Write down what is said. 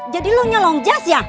jadi lo nyolong jas ya